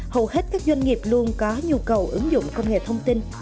hầu hết các doanh nghiệp luôn có nhu cầu ứng dụng công nghệ thông tin